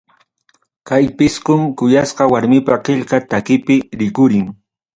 Kay pisqum kuyasqa warmipa qillqa takipi rikurin.